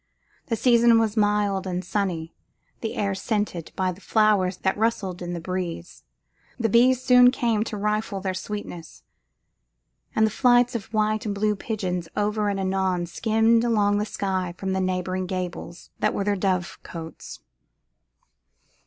The season was mild and sunny, the air scented by the flowers that rustled in the breeze, the bees soon came to rifle their sweetness, and flights of white and blue pigeons ever and anon skimmed along the sky from the neighbouring gables that were their dovecotes.